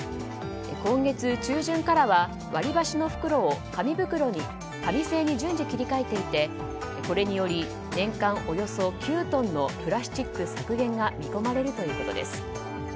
今月中旬からは割り箸の袋を紙製に順次切り替えていてこれにより、年間およそ９トンのプラスチック削減が見込まれるということです。